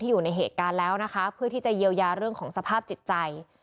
อยู่ในเหตุการณ์แล้วนะคะเพื่อที่จะเยียวยาเรื่องของสภาพจิตใจ